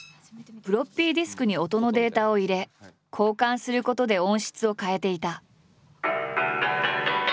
フロッピーディスクに音のデータを入れ交換することで音質を変えていた。